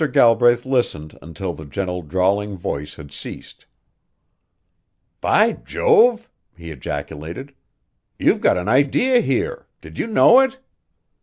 Galbraith listened until the gentle drawling voice had ceased. "By Jove!" he ejaculated. "You've got an idea here. Did you know it?"